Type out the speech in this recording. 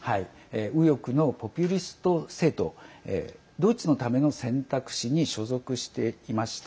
右翼のポピュリスト政党ドイツのための選択肢に所属していました。